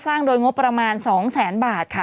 โดยงบประมาณ๒แสนบาทค่ะ